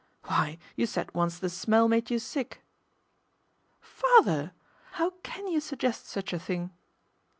Why you said once the smell made you sick." " Father ! how can you suggest such a thing